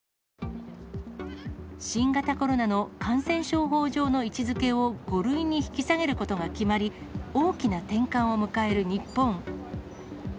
新型コロナの感染症法上の位置づけを５類に引き下げることが決まり、大きな転換を迎える日本。